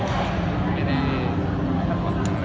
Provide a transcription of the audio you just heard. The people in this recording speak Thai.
อุ้ยหรือเหมือนกัน